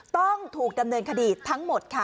ต้องถูกดำเนินคดีทั้งหมดค่ะ